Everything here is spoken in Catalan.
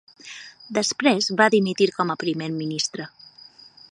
Després va dimitir com a primer ministre.